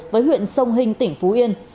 với huyện sông hình tỉnh phú yên